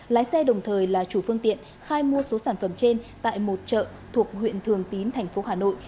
lái xe đồng thời là chủ phương tiện khai mua số sản phẩm trên tại một chợ thuộc huyện thường tín thành phố hà nội